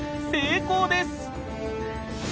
成功です！